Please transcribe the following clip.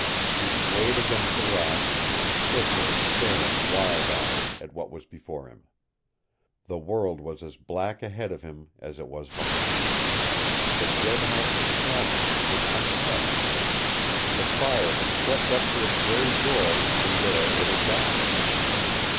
He swayed against a rock and stood there staring wild eyed at what was before him. The world was as black ahead of him as it was behind. But Jed Hawkins' cabin was untouched! The fire had crept up to its very door and there it had died.